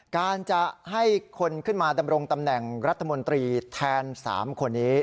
การจะให้คนขึ้นมาดำรงตำแหน่งรัฐมนตรีแทน๓คนนี้